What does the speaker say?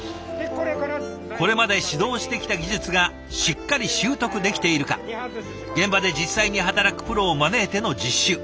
これまで指導してきた技術がしっかり習得できているか現場で実際に働くプロを招いての実習。